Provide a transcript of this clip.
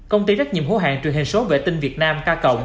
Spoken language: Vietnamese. công ty rất nhiệm hữu hàng truyền hình số vệ tinh việt nam k